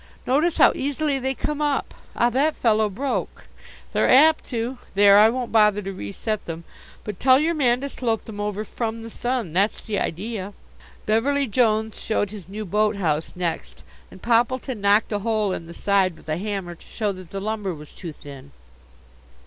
Notice how easily they come up. Ah, that fellow broke! They're apt to. There, I won't bother to reset them, but tell your man to slope them over from the sun. That's the idea." Beverly Jones showed his new boat house next and Poppleton knocked a hole in the side with a hammer to show that the lumber was too thin.